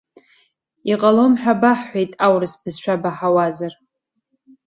Иҟалом хәа баҳҳәеит, аурыс бызшәа баҳауазар.